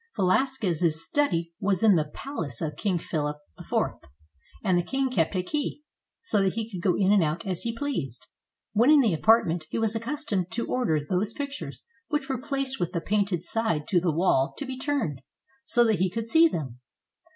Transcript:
520 VELASQUEZ, GREATEST SPANISH PAINTER Velasquez's study was in the palace of King Philip IV; and the king kept a key, so that he could go in and out as he pleased. When in the apartment, he was accus tomed to order those pictures which were placed with the painted side to the wall to be turned, so that he could see them.